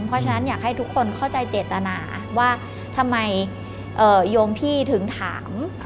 เพราะฉะนั้นอยากให้ทุกคนเข้าใจเจตนาว่าทำไมโยมพี่ถึงถาม